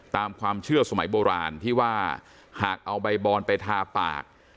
ตามความเชื่อสมัยโบราณที่ว่าหากเอาใบบอนไปทาปาก